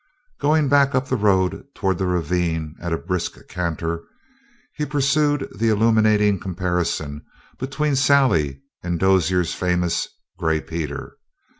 Going back up the road toward the ravine at a brisk canter, he pursued the illuminating comparison between Sally and Dozier's famous Gray Peter.